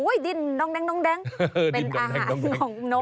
โอ้ยดินน้องแดงน้องแดงเป็นอาหารของนกเหล่านี้